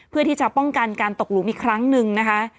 เพื่อที่จะป้องกันการตกหลุมอีกครั้งหนึ่งนะคะ